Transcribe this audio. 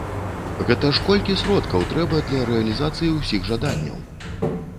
Гэта ж колькі сродкаў трэба для рэалізацыі ўсіх жаданняў!